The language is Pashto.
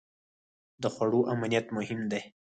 د خوړو امنیت مهم دی.